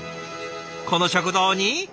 この食堂に。